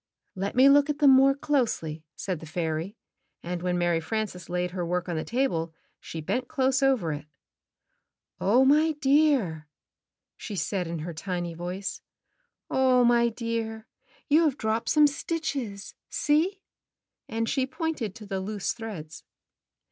"Let me look at them more closely," said the fairy, and when Mary Frances laid her w^ork on the table she bent close over it. "Oh, my dear!" she said in her tiny voice. "Oh, my dear, you have dropped some stitches! See?" and she pointed to the loose threads.